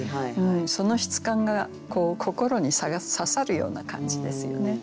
その質感が心に刺さるような感じですよね。